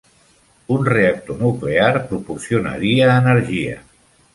Un reactor nuclear proporcionaria energia.